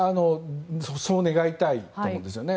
そう願いたいと思うんですよね。